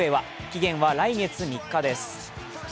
期限は来月３日です。